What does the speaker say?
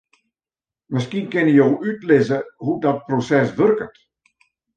Miskien kinne jo útlizze hoe't dat proses wurket?